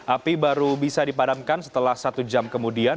api baru bisa dipadamkan setelah satu jam kemudian